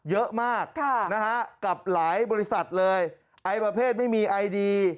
เยอะมากนะฮะกับหลายบริษัทเลยไอประเภทไม่มีไอดี